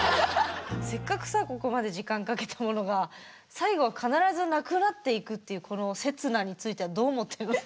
せっかくさここまで時間かけたものが最後は必ずなくなっていくっていうこの刹那についてはどう思ってるの？